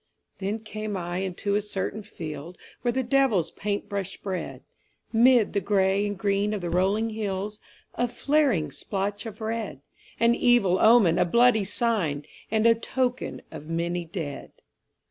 Then came I into a certain field Where the devil's paint brush spread 'Mid the gray and green of the rolling hills A flaring splotch of red, An evil omen, a bloody sign, And a token of many dead.